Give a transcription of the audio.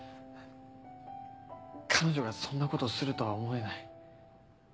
彼女がそんなことするとは思えない。